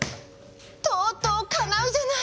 とうとうかなうじゃない！